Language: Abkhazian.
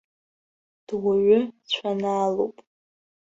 Дуаҩы цәанаалоуп.